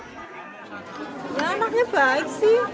ya anaknya baik sih